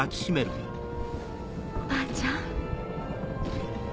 おばあちゃん。